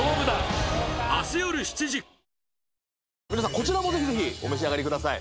こちらもぜひぜひお召し上がりください